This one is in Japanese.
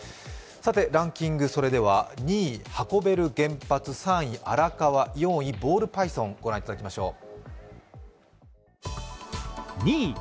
ランキング、それでは、２位、運べる原発、３位、ＡＲＡＫＡＷＡ、４位、ボールパイソン御覧いただきましょう。